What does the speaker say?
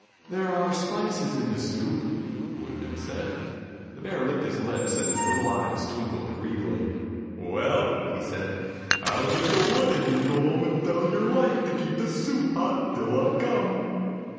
"There are spices in the soup," the wood man said. The bear licked his lips, and his little eyes twinkled greedily. "Well," he said, "I'll get the wood, and you go home and tell your wife to keep the soup hot till I come."